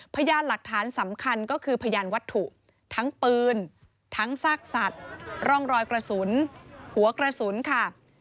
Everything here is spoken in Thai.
พยานหลักฐานสำคัญก็คือพยานวัตถุทั้งปืนทั้งซากสัตว์ร่องรอยกระสุนหัวกระสุนค่ะ